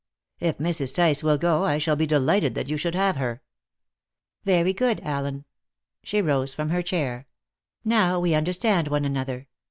"If Mrs. Tice will go, I shall be delighted that you should have her." "Very good, Allen." She rose from her chair. "Now we understand one another.